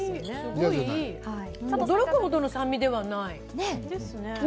驚くほどの酸味ではない。